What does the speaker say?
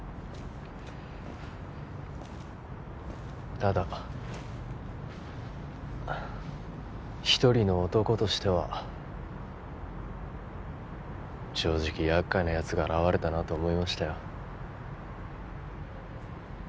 ただ一人の男としては正直やっかいなやつが現れたなと思いましたよ